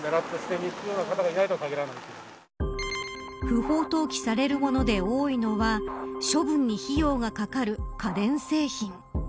不法投棄されるもので多いのは処分に費用がかかる家電製品。